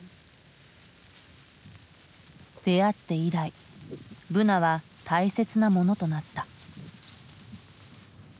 出会って以来ブナは大切なものとなった。